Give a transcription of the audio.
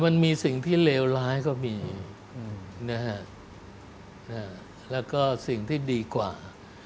มันมีสิ่งที่เลวร้ายก็มีนะฮะแล้วก็สิ่งที่ดีกว่า